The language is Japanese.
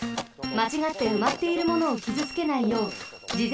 まちがってうまっているものをきずつけないようじ